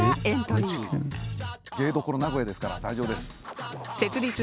芸どころ名古屋ですから大丈夫です。